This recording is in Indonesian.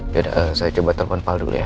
ya udah saya coba telepon pakal dulu ya